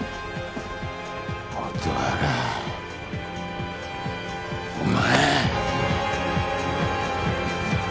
蛍原お前。